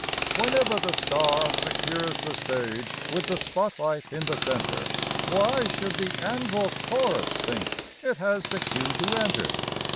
Whenever the star secures the stage with the spotlight in the centre, Why should the anvil chorus think it has the cue to enter?